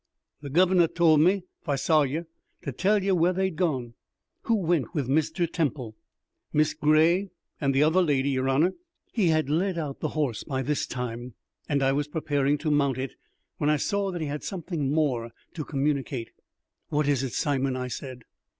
"The guv'nor told me, if I saw yer, to tell yer where they'd gone." "Who went with Mr. Temple?" "Miss Gray and the other lady, yer honour." He had led out the horse by this time, and I was preparing to mount it, when I saw that he had something more to communicate. "What is it, Simon?" I said.